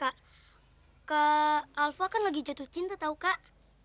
kak alva kan lagi jatuh cinta tau kak